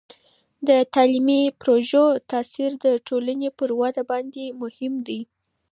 د تعلیمي پروژو تاثیر د ټولني پر وده باندې مهم دی.